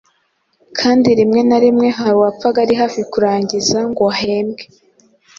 kandi rimwe na rimwe hari uwapfaga ari hafi kurangiza ngo ahembwe.